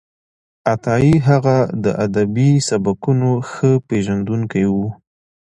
عطايي هغه د ادبي سبکونو ښه پېژندونکی و.